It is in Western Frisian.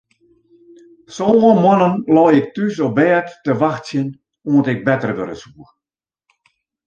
Sân moannen lei ik thús op bêd te wachtsjen oant ik better wurde soe.